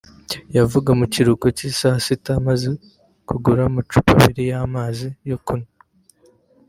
yavaga mu kiruhuko cy’i saa sita amaze kugura amacupa abiri y’amazi yo kunywa